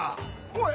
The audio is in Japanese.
おい！